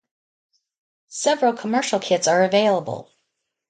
Several commercial kits are available.